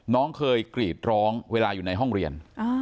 น้องเคยกรีดร้องเวลาอยู่ในห้องเรียน